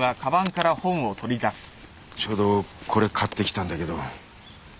ちょうどこれ買ってきたんだけど。